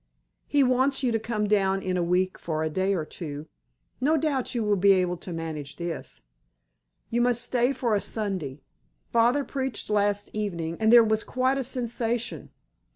He wants you to come down in a week for a day or two. No doubt you will be able to manage this. You must stay for a Sunday. Father preached last evening, and there was quite a sensation.